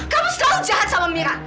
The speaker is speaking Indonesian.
kamu selalu sehat sama mira